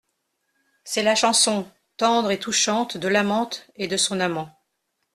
C’est la chanson, tendre et touchante De l’amante et de son amant.